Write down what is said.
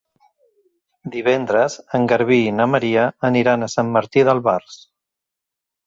Divendres en Garbí i na Maria aniran a Sant Martí d'Albars.